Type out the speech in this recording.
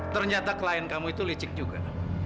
ternyata klien kamu itu licik juga